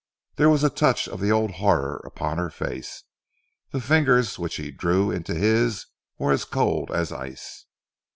There was a touch of the old horror upon her face. The fingers which he drew into his were as cold as ice.